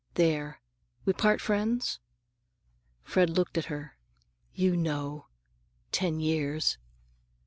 "There. We part friends?" Fred looked at her. "You know. Ten years."